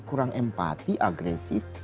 kurang empati agresif